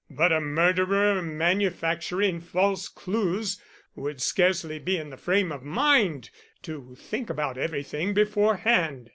"But a murderer manufacturing false clues would scarcely be in the frame of mind to think out everything beforehand.